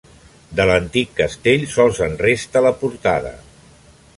De l'antic castell sols en resta la portada.